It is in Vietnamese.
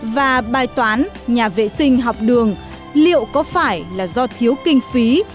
và bài toán nhà vệ sinh học đường liệu có phải là do thiếu kinh phí